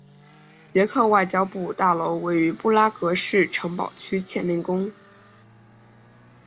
捷克外交部大楼位于布拉格市城堡区切宁宫。